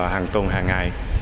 hàng tuần hàng ngày